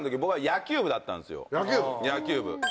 野球部。